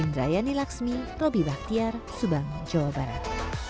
indrayani laxmi roby bakhtiar subang jawa barat